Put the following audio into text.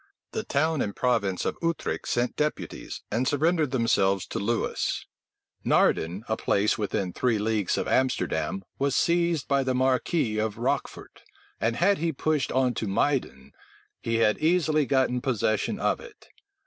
The town and province of Utrecht sent deputies, and surrendered themselves to Lewis Naerden, a place within three leagues of Amsterdam, was seized by the marquis of Rochfort; and had he pushed on to Muyden, he had easily gotten possession of it.